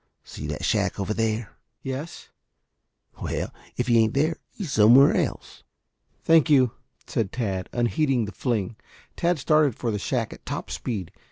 "See that shack over there?" "Yes." "Well, if he ain't there, he's somewhere else." "Thank you," said Tad, unheeding the fling. Tad started for the shack at top speed.